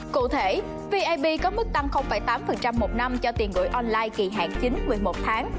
cụ thể vib có mức tăng tám một năm cho tiền gửi online kỳ hạn chính một mươi một tháng